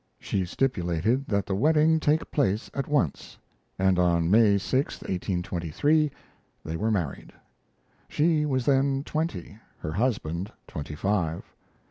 She stipulated that the wedding take place at once, and on May 6, 1823, they were married. She was then twenty; her husband twenty five.